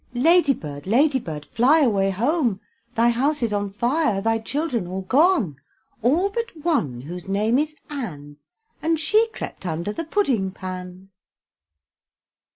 Lady bird, lady bird, fly away home, Thy house is on fire, thy children all gone: All but one whose name is Ann, And she crept under the pudding pan.